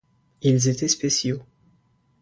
Ils étaient spéciaux.